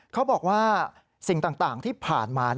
เขาบอกว่าสิ่งต่างที่ผ่านมา